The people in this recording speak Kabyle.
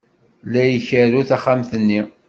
La ikerru taxxamt-nni.